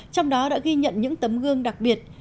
trong đó đã ghi nhận những tấm gương đặc biệt